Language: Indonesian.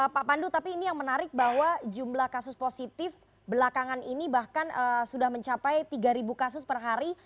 pak pandu tapi ini yang menarik bahwa jumlah kasus positif belakangan ini bahkan sudah mencapai tiga kasus per hari